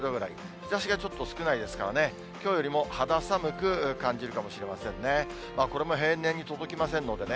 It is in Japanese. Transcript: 日ざしがちょっと少ないですからね、きょうよりも肌寒く感じるかもしれませんね。